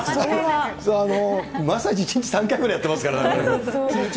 まさに、１日３回ぐらいやってますからね。